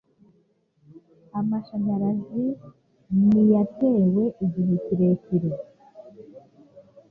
Amashanyarazi ni yatewe igihe kirekire